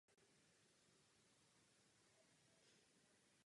Některé návrhy jsou rozpracovány od podzimu minulého roku.